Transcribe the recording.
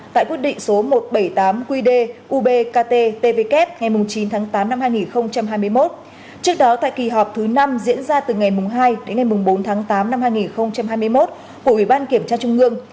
tại quyết định số một trăm bảy mươi tám qd ubkttvk ngày chín tháng tám năm hai nghìn hai mươi một trước đó tại kỳ họp thứ năm diễn ra từ ngày hai đến ngày bốn tháng tám năm hai nghìn hai mươi một của ubnd tp hà nội